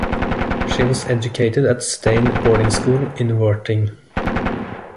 She was educated at Steyne boarding school in Worthing.